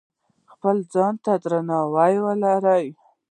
خپل ځان ته درناوی ولرئ.